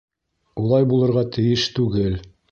— Улай булырға тейеш түгел.